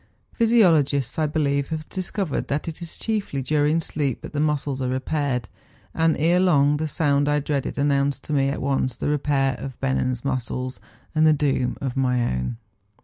Physiologists, I believe, have discovered that it is chiefly during sleep that the muscles are repaired; and ere long the sound I dreaded an¬ nounced to me at once the repair of Bennen's muscles and the doom of my own.